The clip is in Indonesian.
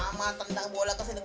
mama tendang bola ke sini wih